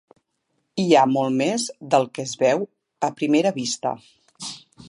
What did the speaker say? Hi ha molt més del que es veu a primera vista.